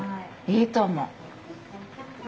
いいと思う！